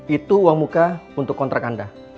itu uang muka untuk kontrak anda